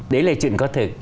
đấy là chuyện có thực